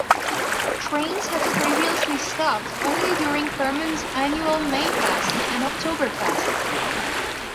Trains had previously stopped only during Hermann's annual "Maifest" and "Octoberfest".